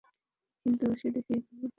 কিন্তু সে দেখি খাবার পরিবেশন করছে।